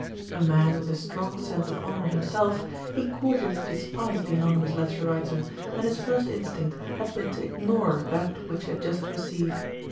A man with a strong sense of honour himself, he cordially despised the anonymous letter writer, and his first instinct had been to ignore that which he had just received.